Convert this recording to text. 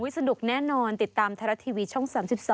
สนุกแน่นอนติดตามไทยรัฐทีวีช่อง๓๒